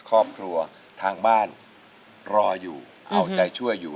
ครอบครัวทางบ้านรออยู่เอาใจช่วยอยู่